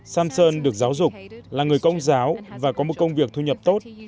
samson được giáo dục là người công giáo và có một công việc thu nhập tốt